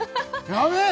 やべえ！